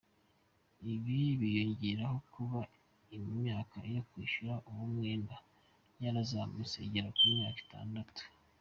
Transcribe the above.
Ibi byiyongeraho kuba imyaka yo kwishyura uwo mwenda yarazamutse igera ku myaka itandatu.